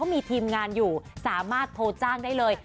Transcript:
มีทีมงานอยู่สามารถโทรจ้างได้เลย